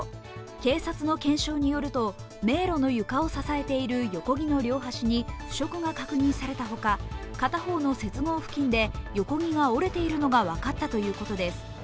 警察の検証によると迷路の床を支えている横木の両端に腐食が確認されたほか、片方の接合部分で横木が折れているのが分かったということです。